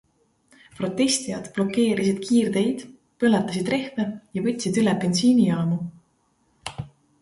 Protestijad blokeerisid kiirteid, põletasid rehve ja võtsid üle bensiinijaamu.